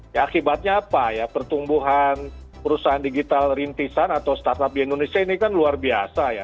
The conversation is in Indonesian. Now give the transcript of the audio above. ya akibatnya apa ya pertumbuhan perusahaan digital rintisan atau startup di indonesia ini kan luar biasa ya